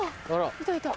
いたいた。